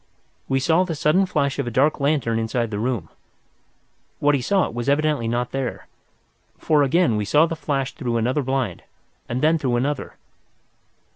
We saw the sudden flash of a dark lantern inside the room. What he sought was evidently not there, for again we saw the flash through another blind, and then through another.